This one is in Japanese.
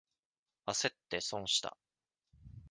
あせって損した。